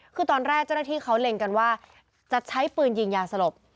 คือตอนแรกเจ้าหน้าที่เขาเล็งกันว่าจะใช้ปืนยิงยาสลบ